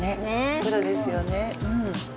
プロですよね。